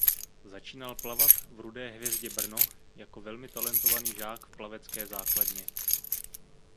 Začínal plavat v Rudé hvězdě Brno jako velmi talentovaný žák v plavecké základně.